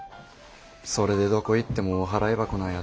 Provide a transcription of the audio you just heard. それでどこ行ってもお払い箱なんやて。